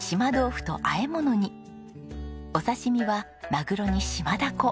お刺し身はマグロにシマダコ。